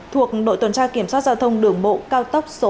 thuộc đội tuần tra kiểm soát giao thông đường bộ cao tốc số năm